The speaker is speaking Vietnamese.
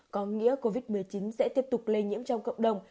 có nghĩa covid một mươi chín sẽ tiếp tục lây nhiễm trong cộng đồng